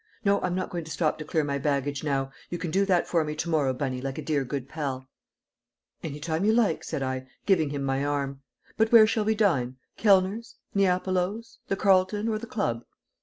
"No, I'm not going to stop to clear my baggage now. You can do that for me to morrow, Bunny, like a dear good pal." "Any time you like," said I, giving him my arm. "But where shall we dine? Kellner's? Neapolo's? The Carlton or the Club?"